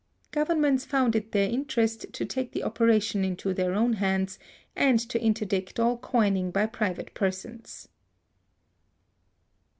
Governments found it their interest to take the operation into their own hands, and to interdict all coining by private persons.